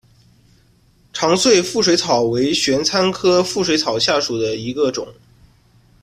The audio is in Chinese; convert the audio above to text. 长穗腹水草为玄参科腹水草属下的一个种。